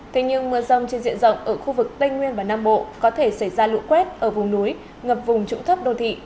thế nhưng mưa rông trên diện rộng ở khu vực tây nguyên và nam bộ có thể xảy ra lũ quét ở vùng núi ngập vùng trũng thấp đô thị